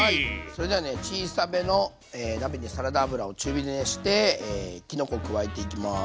それではね小さめの鍋にサラダ油を中火で熱してきのこ加えていきます。